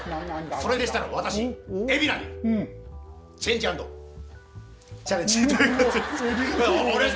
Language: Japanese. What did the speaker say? それでしたら私、海老名にチェンジ＆チャレンジ。